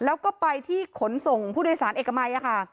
แล้วก็ไปที่ขนส่งผู้โดยสารเอกมัยค่ะ